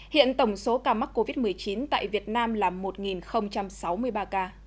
hiện tổng số ca mắc covid một mươi chín tại việt nam là một sáu mươi ba ca